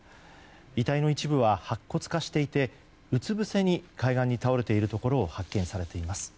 遺体の一部は白骨化していてうつ伏せに海岸に倒れているところを発見されています。